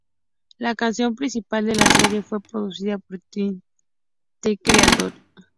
La canción principal de la serie fue producida por Tyler, The Creator.